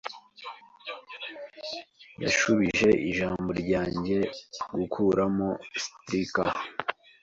Yashubije ijambo ryanjye Gukuramo Stricca